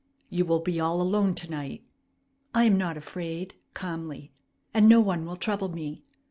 "You will be all alone to night." "I am not afraid," calmly. "And no one will trouble me.